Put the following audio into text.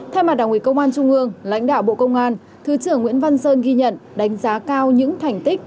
thay mặt đảng ủy công an trung ương lãnh đạo bộ công an thứ trưởng nguyễn văn sơn ghi nhận đánh giá cao những thành tích